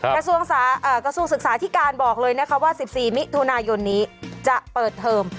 กระทรวงศึกษาที่การบอกเลยนะคะว่า๑๔มิถุนายนนี้จะเปิดเทอม